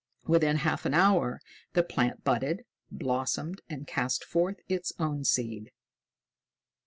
Within half an hour, the plant budded, blossomed, and cast forth its own seed.